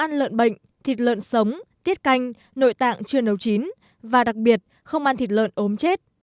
an lợn bệnh thịt lợn sống tiết canh nội tạng chưa nấu chín và đặc biệt không ăn thịt lợn ốm chết